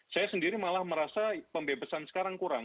saya sendiri malah merasa pembebasan sekarang kurang